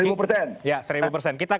itu informasi kepada kita ya